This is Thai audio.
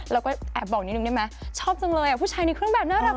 แล้วก็แอบบอกนิดนึงได้ไหมชอบจังเลยอ่ะผู้ชายในเครื่องแบบน่ารัก